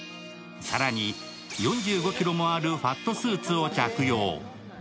更に４５ｋｇもあるファットスーツを着用。